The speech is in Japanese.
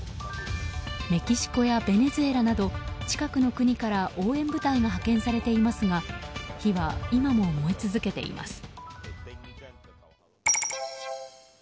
メキシコやベネズエラなど近くの国から応援部隊が派遣されていますが火は今も燃え続けています。